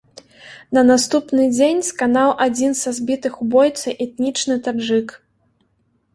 На наступны дзень сканаў адзін са збітых у бойцы, этнічны таджык.